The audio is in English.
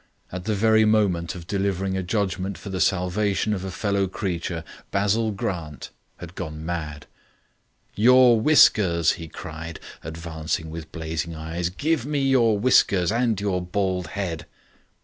At the very moment of delivering a judgement for the salvation of a fellow creature, Basil Grant had gone mad. "Your whiskers," he cried, advancing with blazing eyes. "Give me your whiskers. And your bald head."